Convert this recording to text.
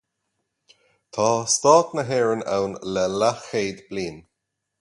Tá stát na hÉireann ann le leathchéad bliain.